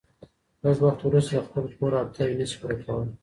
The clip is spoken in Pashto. لږ وخت وروسته د خپل کور اړتياوي نسي پوره کولای